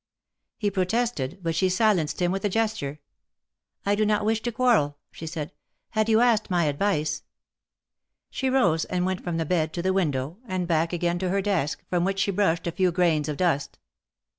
He protested, but she silenced him with a gesture. " I do not wish to quarrel," she said. " Had you asked my advice —" She rose and went from the bed to the window, and back again to her desk, from which she brushed a few grains of dust.